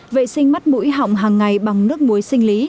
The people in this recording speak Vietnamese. vệ sinh mắt mũi hỏng hàng ngày bằng nước mũi sinh lý